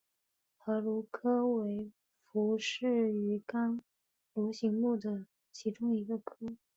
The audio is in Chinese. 河鲈科为辐鳍鱼纲鲈形目的其中一个科。